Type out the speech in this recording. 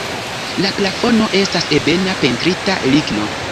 La plafono estas ebena pentrita ligno.